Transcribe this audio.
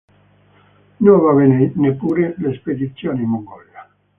Non va bene neppure la spedizione in Mongolia.